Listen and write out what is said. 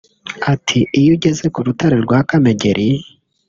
Ati″Iyo ugeze ku rutare rwa Kamegeri